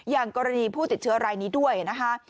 อย่างกรณีผู้ติดเชื้อรายนี้ด้วยนะคะ